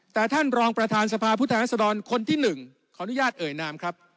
แต่ท่านรองประธานสภาพุทธรัศดรคนที่๑ขออนุญาตเอ่ยนามครับ